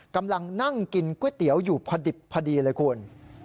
กำลังนั่งกินก๋วยเตี๋ยวอยู่พอดิบพอดีเลยคุณ